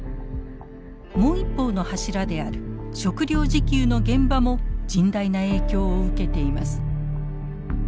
もう一方の柱である食料自給の現場も甚大な影響を受けています。